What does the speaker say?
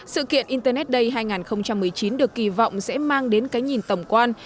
sự kiện internet day hai nghìn một mươi chín được kỳ vọng sẽ mang đến cái nhìn tổng quan